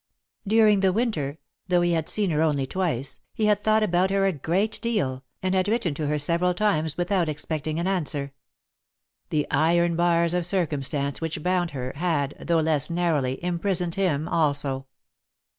During the Winter, though he had seen her only twice, he had thought about her a great deal, and had written to her several times without expecting an answer. The iron bars of circumstance which bound her, had, though less narrowly, imprisoned him also.